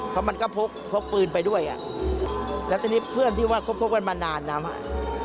เพราะมันก็พกปืนไปด้วยอ่ะแล้วทีนี้เพื่อนที่ว่าเขาพกกันมานานนะครับ